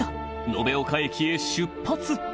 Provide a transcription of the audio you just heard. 延岡駅へ出発